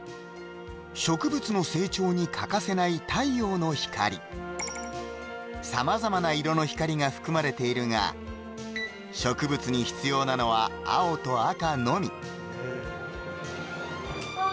植物の成長に欠かせない太陽の光様々な色の光が含まれているが植物に必要なのは青と赤のみパン！